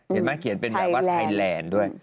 เห็นไหมเขียนเป็นแบบว่าไทยแลนด์ด้วย